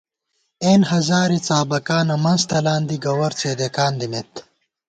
اېن ہزارےڅابَکانہ منز تلان دی گوَر څېدېکان دِمېت